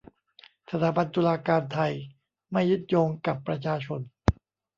สถาบันตุลาการไทยไม่ยึดโยงกับประชาชน